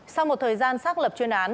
sau một thời gian xác lập chuyên án